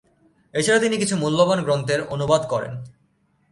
এছাড়া তিনি কিছু মূল্যবান গ্রন্থের অনুবাদ করেন।